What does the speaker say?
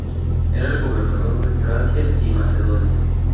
Era el gobernador de Tracia y Macedonia.